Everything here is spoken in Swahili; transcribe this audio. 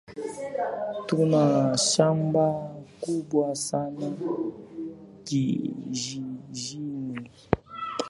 Tuna shamba kubwa sana kijijini